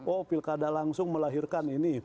oh pilkada langsung melahirkan ini